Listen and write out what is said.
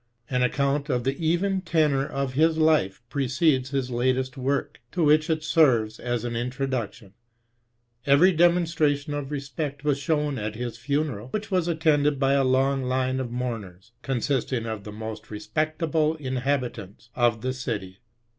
An account of the even tenor of his life precedes his latest work, to which it serves as an introduction. Every demonstration of respect was shown at his funeral, which wa^ 150 TRE8CH0W. attended by a long line of mourners, consisting of the most respectable inhabitants of the dty.